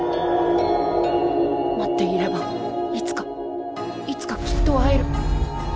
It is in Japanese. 待っていればいつかいつかきっと会える。